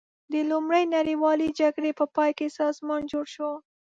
د لومړۍ نړیوالې جګړې په پای کې سازمان جوړ شو.